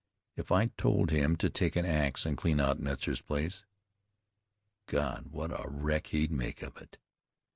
"If I told him to take an ax and clean out Metzar's place God! what a wreck he'd make of it.